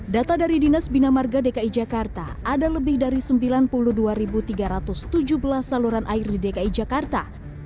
data dari dinas bina marga dki jakarta ada lebih dari sembilan puluh dua tiga ratus tujuh belas saluran air di dki jakarta